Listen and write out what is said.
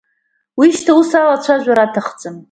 Уи шьҭа ус алацәажәара аҭахӡам…